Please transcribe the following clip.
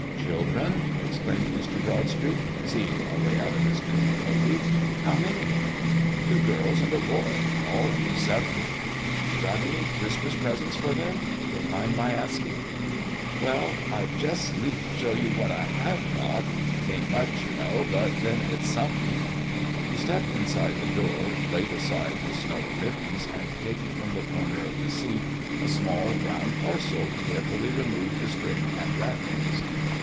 "Children?" exclaimed Mr. Broadstreet, seeing a way out of his difficulty; "how many?" "Two girls and a boy, all under seven." "Got any Christmas presents for them? don't mind my asking." "Well, I'd just 's lief show you what I have got. 'T ain't much, you know, but then it's somethin'." He stepped inside the door, laid aside his snowy mittens, and taking from the corner of the seat a small brown parcel, carefully removed the string and wrappings.